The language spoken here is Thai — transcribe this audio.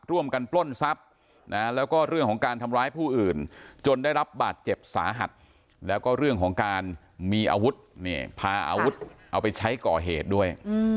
ปล้นทรัพย์แล้วก็เรื่องของการทำร้ายผู้อื่นจนได้รับบาดเจ็บสาหัสแล้วก็เรื่องของการมีอาวุธพาอาวุธเอาไปใช้ก่อเหตุด้วย